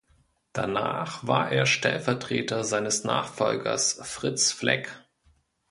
Danach war er Stellvertreter seines Nachfolgers Fritz Fleck.